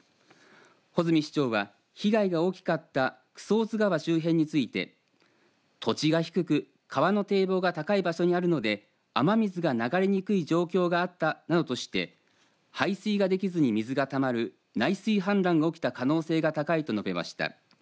穂積市長は被害が大きかった草生津川周辺について土地が低く川の堤防が高い場所にあるので雨水が流れにくい状況があったなどとして排水ができずに水がたまる内水氾濫が起きた可能性が高いと述べました。